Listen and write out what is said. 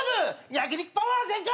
焼き肉パワー全開！